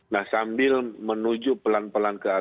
nah sambil menuju pelan pelan ke jawa barat